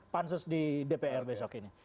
pansus di dpr besok ini